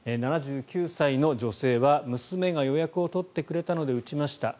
７９歳の女性は娘が予約を取ってくれたので打ちました